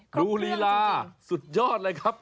ลีลาสุดยอดเลยครับ